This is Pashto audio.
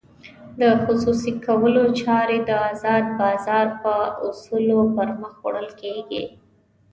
د خصوصي کولو چارې د ازاد بازار په اصولو پرمخ وړل کېږي.